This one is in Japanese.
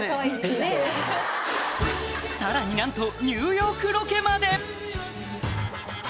さらになんとニューヨークロケまで！